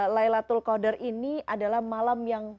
laylatul qadar ini adalah malam yang